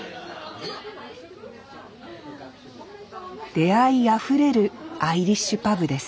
出会いあふれるアイリッシュパブです